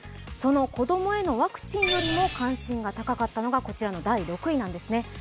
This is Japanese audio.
その子供へのワクチンよりも関心が高かったのがこちら第６位なんですね。